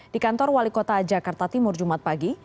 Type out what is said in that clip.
di kantor wali kota jakarta timur jumat pagi